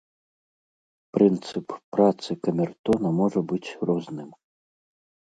Прынцып працы камертона можа быць розным.